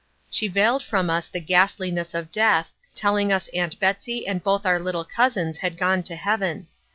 She veiled from us the ghastliness of death, telling us Aunt Betsy and both our little cousins had gone to heaven.